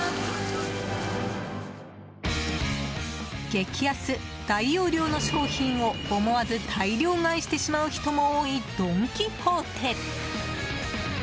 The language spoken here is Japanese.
激安・大容量の商品を思わず大量買いしてしまう人も多いドン・キホーテ。